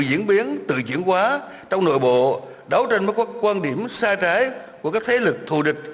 diễn biến tự chuyển hóa trong nội bộ đáu tranh mất các quan điểm xa trái của các thế lực thù địch